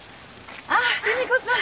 あっ夕美子さん。